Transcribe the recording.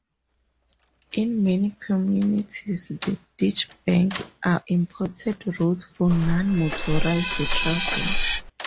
In many communities, the ditchbanks are important routes for non-motorized travel.